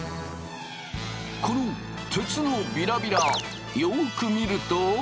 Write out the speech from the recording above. この鉄のビラビラよく見ると。